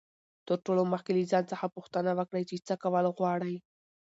تر ټولو مخکي له ځان څخه پوښتنه وکړئ، چي څه کول غواړئ.